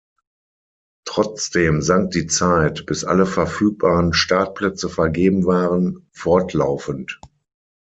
Trotzdem sank die Zeit, bis alle verfügbaren Startplätze vergeben waren, fortlaufend.